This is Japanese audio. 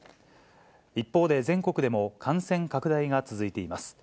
一方で、全国でも感染拡大が続いています。